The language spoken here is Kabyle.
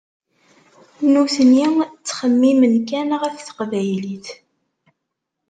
Nutni ttxemmimen kan ɣef teqbaylit.